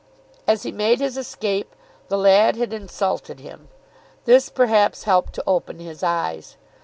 As he made his escape the lad had insulted him. This, perhaps, helped to open his eyes.